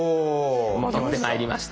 戻ってまいりました。